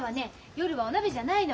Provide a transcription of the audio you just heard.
夜はお鍋じゃないの。